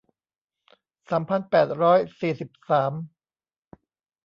สามพันแปดร้อยสี่สิบสาม